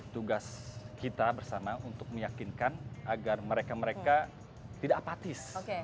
tugas kita bersama untuk meyakinkan agar mereka mereka tidak apatis